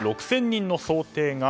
６０００人の想定が。